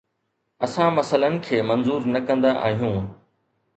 اسان مسئلن کي منظور نه ڪندا آهيون